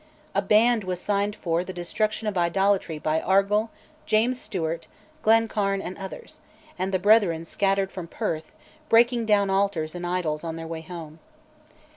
A "band" was signed for "the destruction of idolatry" by Argyll, James Stewart, Glencairn, and others; and the Brethren scattered from Perth, breaking down altars and "idols" on their way home.